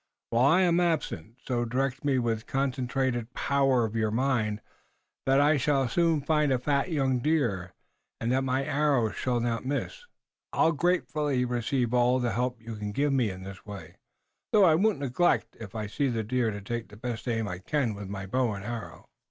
While I am absent, so direct me with the concentrated power of your mind that I shall soon find a fat young deer, and that my arrow shall not miss. I'll gratefully receive all the help you can give me in this way, though I won't neglect, if I see the deer, to take the best aim I can with bow and arrow."